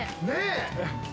ねえ。